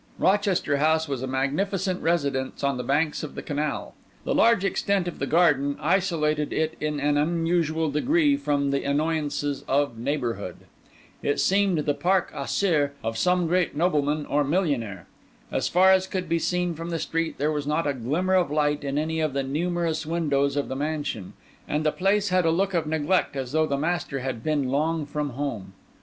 Rochester House was a magnificent residence on the banks of the canal. The large extent of the garden isolated it in an unusual degree from the annoyances of neighbourhood. It seemed the parc aux cerfs of some great nobleman or millionaire. As far as could be seen from the street, there was not a glimmer of light in any of the numerous windows of the mansion; and the place had a look of neglect, as though the master had been long from home.